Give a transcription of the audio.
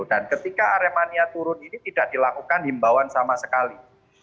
dan ketika aremania turun ini tidak dilakukan himbawan sama sekali